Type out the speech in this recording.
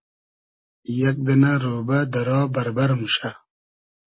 یئگ دئنۂ رۉبۂ دۂ را بئربئر موشۂ